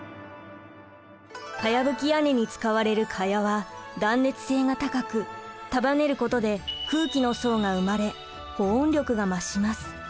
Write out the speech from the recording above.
かやぶき屋根に使われるかやは断熱性が高く束ねることで空気の層が生まれ保温力が増します。